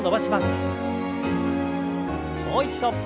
もう一度。